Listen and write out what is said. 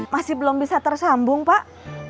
masih belum bisa tersambung pak